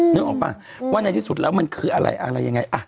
นึกออกป่ะว่าในที่สุดแล้วมันคืออะไรอะไรยังไง